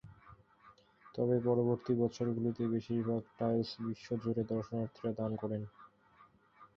তবে পরবর্তী বছরগুলিতে, বেশিরভাগ টাইলস বিশ্ব জুড়ে দর্শনার্থীরা দান করেন।